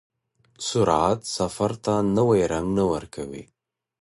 سرعت سفر ته نوی رنګ نه ورکوي.